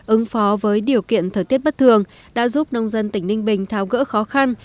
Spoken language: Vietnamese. ứng phó với điều kiện thời tiết bất thường đã giúp nông dân tỉnh ninh bình tháo gỡ khó khăn